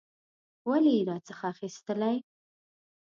ولي یې راڅخه اخیستلې؟